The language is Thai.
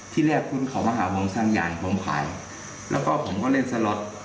ที่แรกคุณเขามาหาผมทางใหญ่ผมขายแล้วก็ผมก็เล่นซะรถ